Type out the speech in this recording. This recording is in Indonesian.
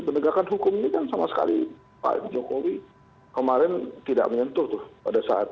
penegakan hukum ini kan sama sekali pak jokowi kemarin tidak menyentuh tuh pada saat